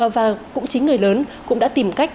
và cũng chính người lớn cũng đã tìm cách